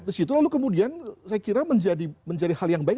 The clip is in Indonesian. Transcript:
di situ lalu kemudian saya kira menjadi hal yang baik